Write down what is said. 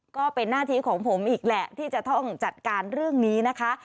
ก็เป็นหน้าที่ของผมอีกแหละที่จะต้องจัดการเรื่องนี้นะคะ